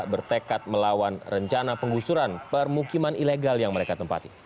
bertekad melawan rencana penggusuran permukiman ilegal yang mereka tempati